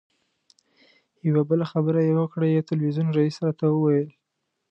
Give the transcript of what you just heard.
یوه بله خبره یې وکړه یو تلویزیون رییس راته وویل.